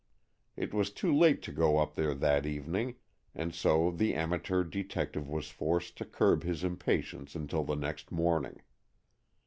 It was too late to go up there that evening, and so the amateur detective was forced to curb his impatience until the next morning.